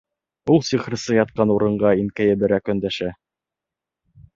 Ул сихырсы ятҡан урынға иңкәйеберәк өндәшә: